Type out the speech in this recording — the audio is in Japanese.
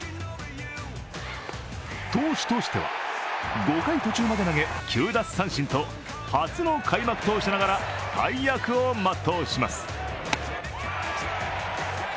投手としては５回途中まで投げ、９奪三振と初の開幕投手ながら大役を全うします。